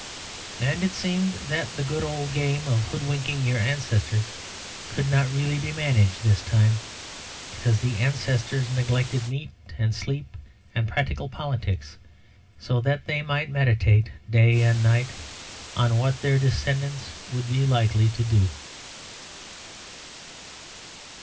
And it seemed that the good old game of hoodwinking your ancestors could not really be managed this time, because the ancestors neglected meat and sleep and practical politics, so that they might meditate day and night on what their descendants would be likely to do.